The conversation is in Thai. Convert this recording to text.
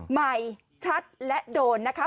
ใหม่ชัดและโดนนะคะ